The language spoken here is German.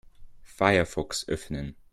Firefox öffnen.